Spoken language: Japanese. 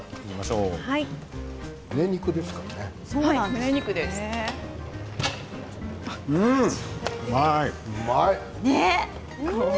うまい。